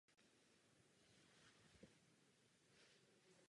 Společnost také létá nepravidelně na letiště do Pardubic.